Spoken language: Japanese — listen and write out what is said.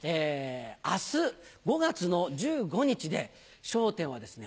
明日５月の１５日で『笑点』はですね